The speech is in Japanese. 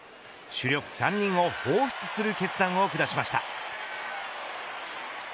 主力３人を放出する決断を下しました。